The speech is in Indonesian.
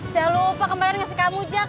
saya lupa kemarin ngasih kamu jak